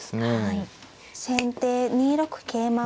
先手２六桂馬。